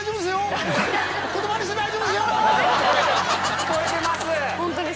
聞こえてます